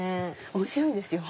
面白いですよ